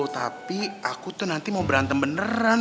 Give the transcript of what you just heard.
tapi aku tuh nanti mau berantem beneran